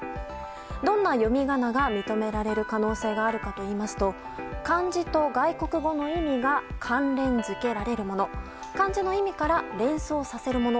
どんな読み仮名が認められる可能性があるかといいますと漢字と外国語の意味が関連付けられるもの漢字の意味から連想させるもの。